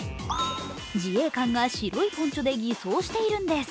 自衛官が白いポンチョで偽装しているんです。